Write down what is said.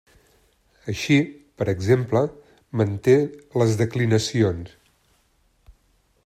Així, per exemple, manté les declinacions.